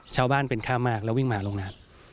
ชาวบ้านเป็นค่ามากแล้ววิ่งมาหาโรงงาน